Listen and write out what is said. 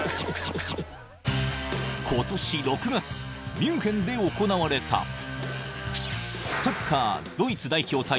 ［今年６月ミュンヘンで行われたサッカードイツ代表対